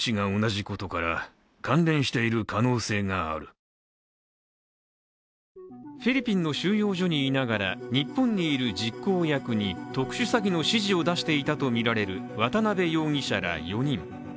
この手口について捜査幹部の１人はフィリピンの収容所にいながら日本にいる実行役に特殊詐欺の指示を出していたとみられる渡辺容疑者ら４人。